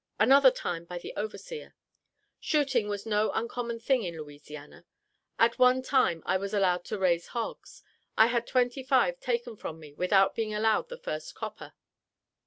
Another time by the overseer. Shooting was no uncommon thing in Louisiana. At one time I was allowed to raise hogs. I had twenty five taken from me without being allowed the first copper.